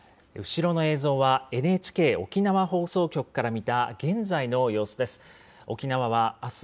後ろの映像は、ＮＨＫ沖縄放送局から見た現在の様子です。